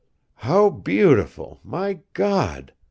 "How beautiful, my God!"